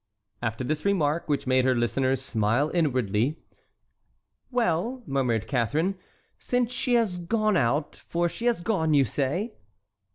After this remark, which made her listeners smile inwardly: "Well," murmured Catharine, "since she has gone out—for she has gone, you say?"